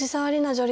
女流